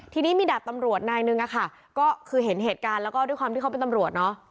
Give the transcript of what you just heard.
ทีนี้มีดาบตำรวจนายนึงอะค่ะก็คือเห็นเหตุการณ์แล้วก็ด้วยความที่เขาเป็นตำรวจเนาะ